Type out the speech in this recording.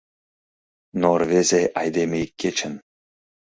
Но рвезе айдеме ик кечын